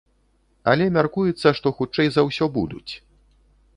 Але мяркуецца, што хутчэй за ўсё будуць.